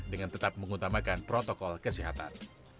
dengan tetap mengutamakan protokol kesehatan